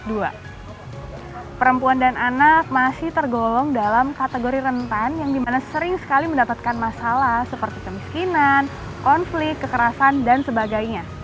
perempuan dan anak masih tergolong dalam kategori rentan yang dimana sering sekali mendapatkan masalah seperti kemiskinan konflik kekerasan dan sebagainya